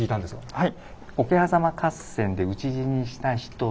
はい。